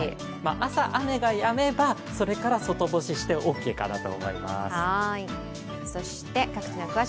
朝、雨がやめば、それから外干ししてオーケーかなと。